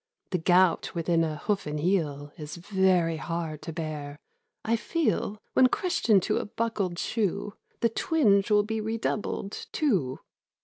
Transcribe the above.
The gout within a hoofen heel Is very hard to bear : I feel When crushed into a buckled shoe The twinge will be redoubled, too.